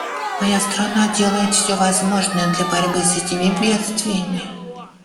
Моя страна делает все возможное для борьбы с этими бедствиями.